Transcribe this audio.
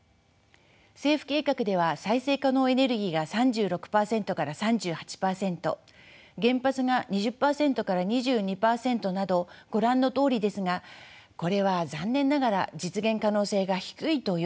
政府計画では再生可能エネルギーが３６％から３８％原発が２０％から２２％などご覧のとおりですがこれは残念ながら実現可能性が低いと言わざるをえません。